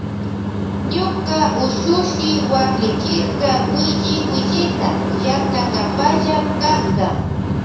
Ñuka ushushi waklichirka willi willita llankankapalla karka.